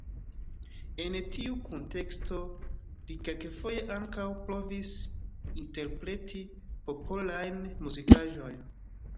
En tiu kunteksto li kelkfoje ankaŭ provis interpreti popolajn muzikaĵojn.